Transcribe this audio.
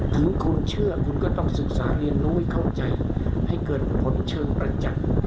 ถึงคุณเชื่อคุณก็ต้องศึกษาเรียนรู้ให้เข้าใจให้เกิดผลเชิงประจักษ์